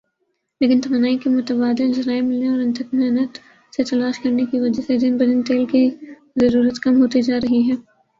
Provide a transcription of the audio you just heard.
لیکن توانائی کے متبادل ذرائع ملنے اور انتھک محنت سے تلاش کرنے کی وجہ سے دن بدن تیل کی ضرورت کم ہوتی جارہی ھے